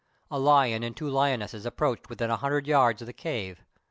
A lion and two lionesses approached within a hundred yards of the cave.